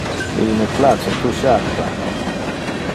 Il me place tu charpa.